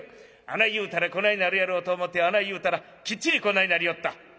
あない言うたらこないなるやろうと思ってあない言うたらきっちりこないなりよった」。